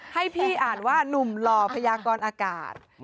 ให้พี่อ่านว่านุ่มหล่อพยากรอากาศ